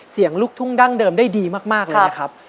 ลูกทุ่งดั้งเดิมได้ดีมากเลยนะครับ